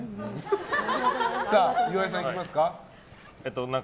岩井さん、いきますか。